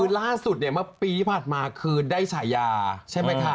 คือล่าสุดเนี่ยเมื่อปีที่ผ่านมาคือได้ฉายาใช่ไหมคะ